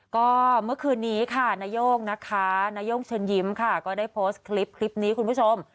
ก็เมื่อคืนนี้ค่ะนายกนะคะนายกเชิญยิ้มค่ะก็ได้โพสต์คลิปนี้คุณผู้ชม